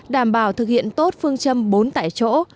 đảm bảo thực hiện tốt phương châm bốn tại chỗ